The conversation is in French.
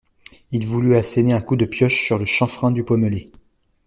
Il voulut asséner un coup de pioche sur le chanfrein du pommelé.